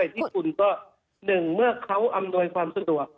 ที่จริงเมื่อว่าเขาอำนวยความสะดวก